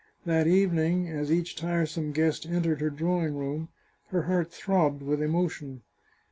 That evening, as each tiresome guest entered her drawing room, her heart throbbed with emotion.